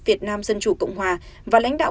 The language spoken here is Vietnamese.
việt nam dân chủ cộng hòa và lãnh đạo